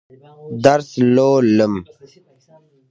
درس لولم.